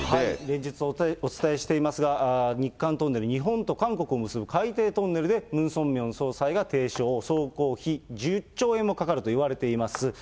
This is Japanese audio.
連日お伝えしていますが、日韓トンネル、日本と韓国を結ぶ海底トンネルで、ムン・ソンミョン総裁が提唱、総工費１０兆円もかかるといわれています。